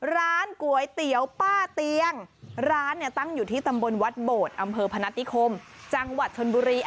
ร้านก๋วยเตี๋ยวป้าเตียงร้านเนี่ยตั้งอยู่ที่ตำบลวัดโบดอำเภอพนัฐนิคมจังหวัดชนบุรี